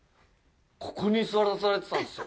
ここに座らされてたんすよ。